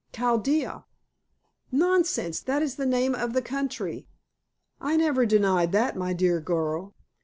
"Chaldea." "Nonsense. That is the name of the country." "I never denied that, my dear girl.